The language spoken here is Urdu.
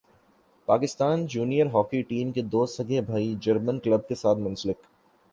پاکستان جونئیر ہاکی ٹیم کے دو سگے بھائی جرمن کلب کے ساتھ منسلک